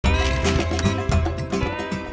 มันเป็นอะไร